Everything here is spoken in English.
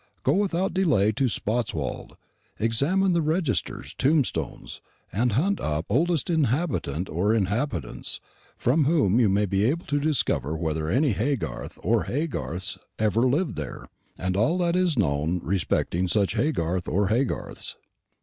Go without delay to Spotswold; examine registers, tombstones, &c hunt up oldest inhabitant or inhabitants, from whom you may be able to discover whether any Haygarth or Haygarths ever lived there, and all that is known respecting such Haygarth or Haygarths.